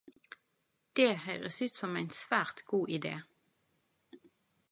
Det høyres ut som ein svært god ide!